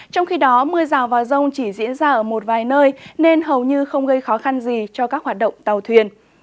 trong khi đó mưa rào và rông chỉ diễn ra ở một vài nơi nên hầu như không gây khó khăn gì cho các hoạt động tàu thuyền